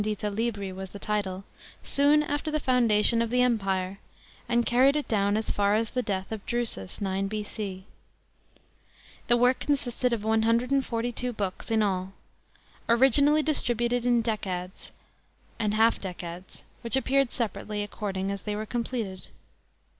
ta Ifbri was the title) soon after the foundation of the Em i ire, and carried it clown as tar as the death of Drusus (9 B.C.). '1 he work consisted cf 142 Hooks in all, originally distributed in decays and hall dccads, which appeared separately, according as they were completed.